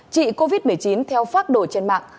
trị covid một mươi chín theo phác đồ trên mạng